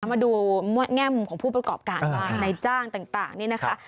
มาดูแง่มุมของผู้ประกอบการบ้างในจ้างต่างนี่นะคะ